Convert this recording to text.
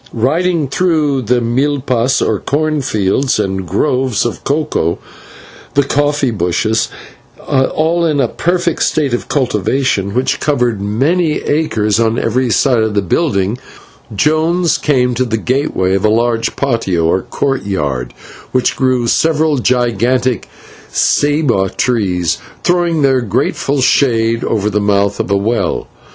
Riding through the /milpas/, or corn fields, and groves of cocoa and coffee bushes, all in a perfect state of cultivation, which covered many acres on every side of the building, Jones came to the gateway of a large /patio/, or courtyard, where grew several gigantic /ceiba/ trees, throwing their grateful shade over the mouth of a well.